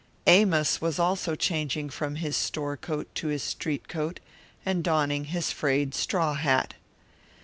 Amos was also changing from his store coat to his street coat and donning his frayed straw hat.